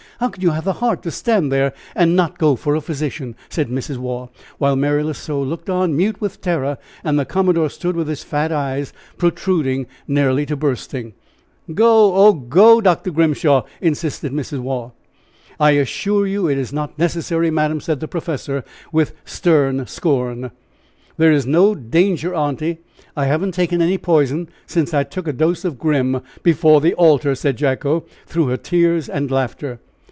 How can you have the heart to stand there and not go for a physician?" said Mrs. Waugh, while Mary L'Oiseau looked on, mute with terror, and the commodore stood with his fat eyes protruding nearly to bursting. "Go, oh, go, Dr. Grimshaw!" insisted Mrs. Waugh. "I assure you it is not necessary, madam," said the professor, with stern scorn. "There is no danger, aunty. I haven't taken any poison since I took a dose of Grim before the altar!" said Jacko, through her tears and laughter.